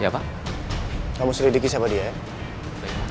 kamu selidiki siapa dia